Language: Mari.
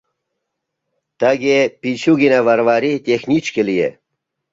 Тыге Пичугина Варвари техничке лие.